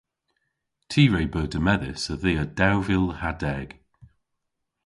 Ty re beu demmedhys a-dhia dew vil ha deg.